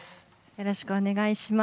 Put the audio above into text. よろしくお願いします。